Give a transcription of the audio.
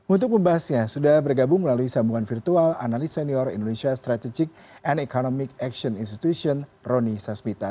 untuk pembahasannya sudah bergabung melalui sambungan virtual analis senior indonesia strategic and economic action institution roni sasmita